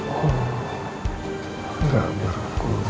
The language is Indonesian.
aku tidak berguna